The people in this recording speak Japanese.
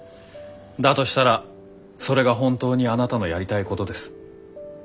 だとしたらそれが本当にあなたのやりたいことです。